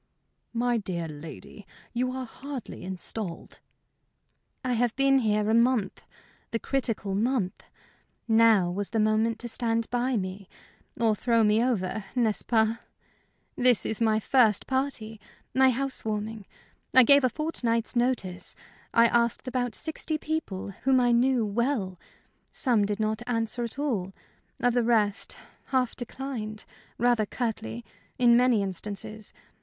"My dear lady, you are hardly installed." "I have been here a month the critical month. Now was the moment to stand by me, or throw me over n'est ce pas? This is my first party, my house warming. I gave a fortnight's notice; I asked about sixty people, whom I knew well. Some did not answer at all. Of the rest, half declined rather curtly, in many instances.